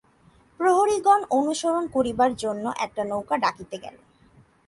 প্রহরিগণ অনুসরণ করিবার জন্য একটা নৌকা ডাকিতে গেল।